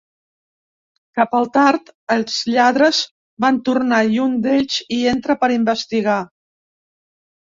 Cap al tard, els lladres van tornar i un d'ells hi entra per investigar.